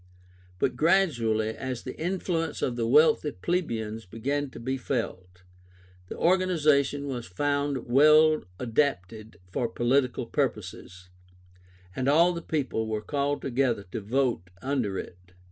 But gradually, as the influence of the wealthy plebeians began to be felt, the organization was found well adapted for political purposes, and all the people were called together to vote under it.